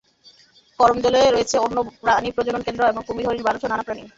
করমজলে রয়েছে বন্য প্রাণী প্রজনন কেন্দ্র এবং কুমির, হরিণ, বানরসহ নানা প্রাণী।